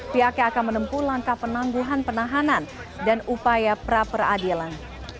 pihaknya akan menempuh langkah penangguhan penahanan dan upaya pra peradilan